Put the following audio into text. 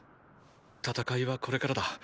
戦いはこれからだ。